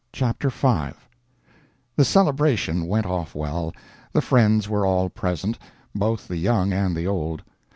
CHAPTER V The celebration went off well. The friends were all present, both the young and the old.